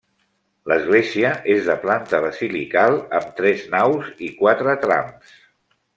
L'església és de planta basilical amb tres naus i quatre trams.